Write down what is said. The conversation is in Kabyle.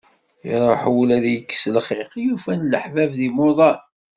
Iṛuḥ wul ad d-yekkes lxiq, yufa-n leḥbab d imuḍan.